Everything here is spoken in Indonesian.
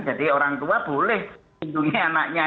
jadi orang tua boleh lindungi anaknya